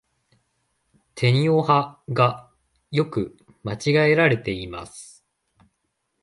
てにをはが、よく間違えられています。